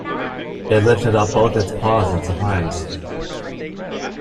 It lifted up both its paws in surprise.